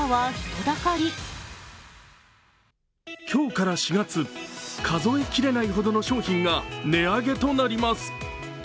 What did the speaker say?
今日から４月、数えきれないほどの商品が値上げとなります。